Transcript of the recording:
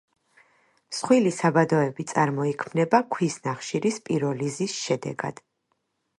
მსხვილი საბადოები წარმოიქმნება ქვის ნახშირის პიროლიზის შედეგად.